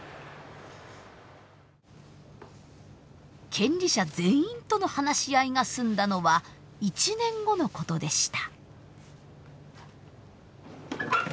権利者全員との話し合いが済んだのは１年後のことでした。